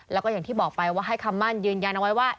แล้วก็อย่างที่บอกไปว่าให้คำมั่นยืนยันเอาไว้ว่า